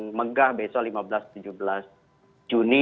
yang megah besok lima belas tujuh belas juni